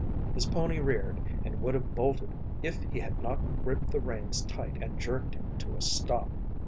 His pony reared and would have bolted if he had not gripped the reins tight and jerked him to a stop.